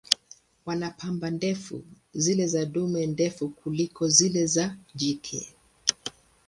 Wana pamba ndefu, zile za dume ndefu kuliko zile za jike.